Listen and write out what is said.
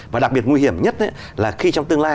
và đặc biệt nguy hiểm nhất là khi trong tương lai